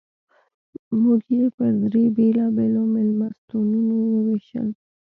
موږ یې پر درې بېلابېلو مېلمستونونو ووېشل.